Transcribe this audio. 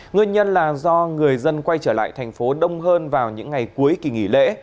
nguyên nhân là do người dân quay trở lại thành phố đông hơn vào những ngày cuối kỳ nghỉ lễ